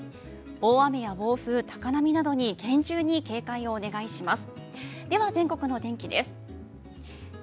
大雨や暴風、高波などに厳重に警戒をお願いします。